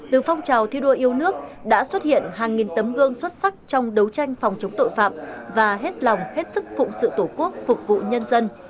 từ phong trào thi đua yêu nước đã xuất hiện hàng nghìn tấm gương xuất sắc trong đấu tranh phòng chống tội phạm và hết lòng hết sức phụng sự tổ quốc phục vụ nhân dân